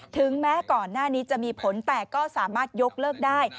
ถึงแม้ก่อนหน้านี้จะมีผลแต่ก็สามารถยกเลิกได้